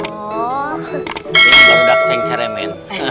oh ini pak dax yang cermin